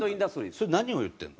それ何を言ってるの？